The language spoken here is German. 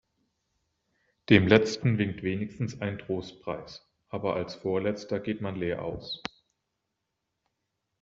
Dem Letzten winkt wenigstens ein Trostpreis, aber als Vorletzter geht man leer aus.